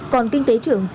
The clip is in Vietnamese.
còn kinh tế trưởng